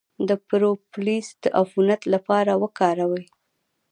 د پروپولیس د عفونت لپاره وکاروئ